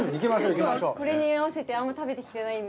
今日はこれに合わせてあんま食べてきてないんで。